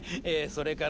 それから。